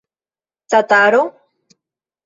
Tataro?